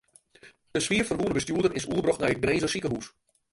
De swier ferwûne bestjoerder is oerbrocht nei it Grinzer sikehús.